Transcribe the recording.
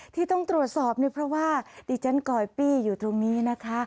ที่ต้องตรวจสอบเนี่ยเพราะว่าดิฉันกอยปี้อยู่ตรงนี้นะคะ